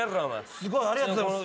ありがとうございます。